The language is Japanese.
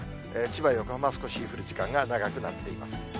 千葉、横浜は少し降る時間が長くなっています。